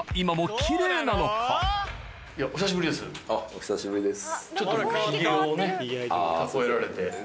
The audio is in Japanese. お久しぶりです。